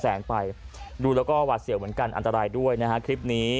แสงไปดูแล้วก็หวาดเสียวเหมือนกันอันตรายด้วยนะฮะคลิปนี้